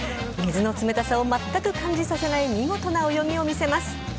水の冷たさを全く感じさせない見事な泳ぎを見せます。